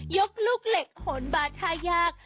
ลูกเหล็กโหนบาท่ายาก